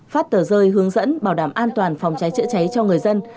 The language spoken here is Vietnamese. phát tờ rơi hướng dẫn bảo đảm an toàn phòng cháy chữa cháy cho người dân